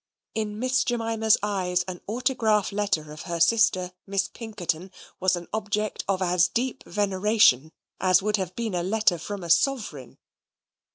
In Miss Jemima's eyes an autograph letter of her sister, Miss Pinkerton, was an object of as deep veneration as would have been a letter from a sovereign.